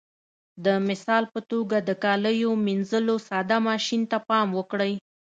د مثال په توګه د کاليو منځلو ساده ماشین ته پام وکړئ.